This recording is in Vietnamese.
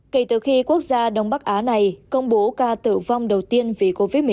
kể từ khi quốc gia đông bắc á này công bố ca tử vong đầu tiên vì covid một mươi chín